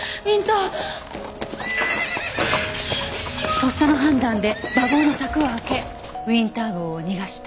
とっさの判断で馬房の柵を開けウィンター号を逃がした。